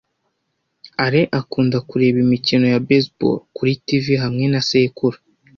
Alain akunda kureba imikino ya baseball kuri TV hamwe na sekuru.